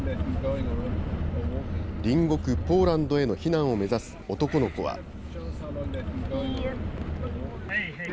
隣国ポーランドへの避難を目指す男の子は。